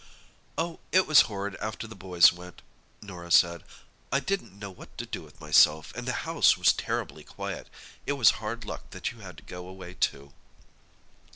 "Oh it was horrid after the boys went," Norah said. "I didn't know what to do with myself, and the house was terribly quiet. It was hard luck that you had to go away too."